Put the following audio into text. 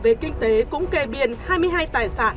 về kinh tế cũng kê biên hai mươi hai tài sản